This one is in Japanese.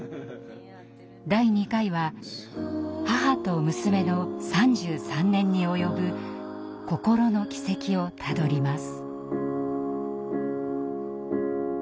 第２回は母と娘の３３年に及ぶ心の軌跡をたどります。